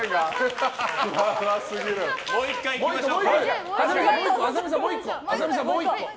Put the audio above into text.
もう１回いきましょう。